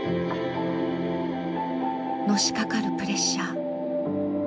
のしかかるプレッシャー。